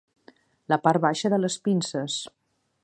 La part baixa de les pinces.